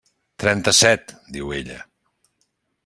«Trenta-set», diu ella.